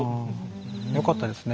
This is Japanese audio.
よかったですね。